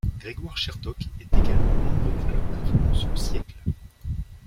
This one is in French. Grégoire Chertok est également membre du club d'influence Le Siècle.